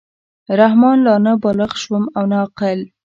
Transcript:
رحمان لا نه بالِغ شوم او نه عاقل.